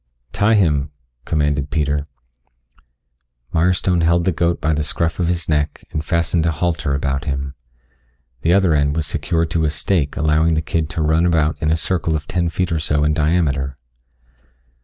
"Tie him," commanded Peter. Mirestone held the goat by the scruff of his neck and fastened a halter about him. The other end was secured to a stake allowing the kid to run about in a circle of ten feet or so in diameter.